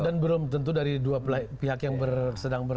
dan belum tentu dari dua pihak yang sedang ber